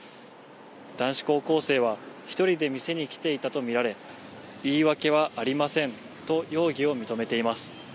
男子高校生は、１人で店に来ていたと見られ、言い訳はありませんと容疑を認めています。